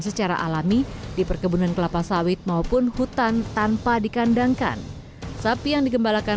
secara alami di perkebunan kelapa sawit maupun hutan tanpa dikandangkan sapi yang digembalakan